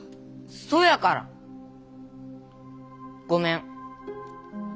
そやからごめん。